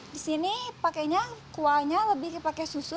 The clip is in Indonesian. di sini pakainya kuahnya lebih pakai susu